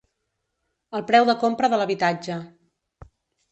El preu de compra de l'habitatge.